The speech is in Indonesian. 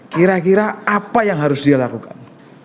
kira kira apa yang harus dia lakukan